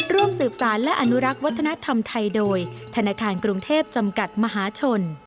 ร่วมสืบสารและอนุรักษ์วัฒนธรรมไทยโดยธนาคารกรุงเทพจำกัดมหาชน